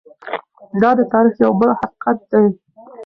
دا د تاریخ یو بل حقیقت دی.